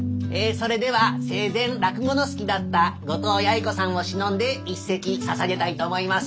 それでは生前落語の好きだった後藤八栄子さんをしのんで一席ささげたいと思います。